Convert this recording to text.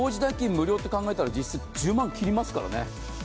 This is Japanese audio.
無料って考えたら１０万切りますもんね。